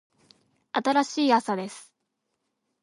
新しい朝です。